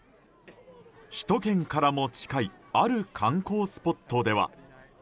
首都圏からも近いある観光スポットでは。